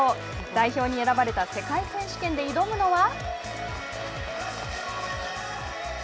代表に選ばれた世界選手権で挑むのは。